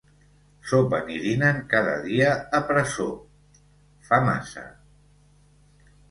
Sopen i dinen cada dia a presó fa massa.